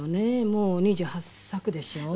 もう２８作でしょう。